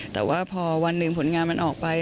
แต่ว่าพอวันหนึ่งผลงานมันออกไป